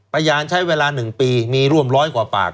พยานใช้เวลา๑ปีมีร่วมร้อยกว่าปาก